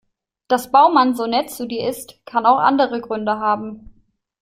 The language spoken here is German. Dass Baumann so nett zu dir ist, kann auch andere Gründe haben.